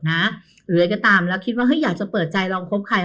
หรืออะไรก็ตามแล้วคิดว่าอยากจะเปิดใจลองคบใคร